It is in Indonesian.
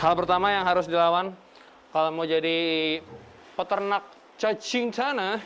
hal pertama yang harus dilawan kalau mau jadi peternak cacing tanah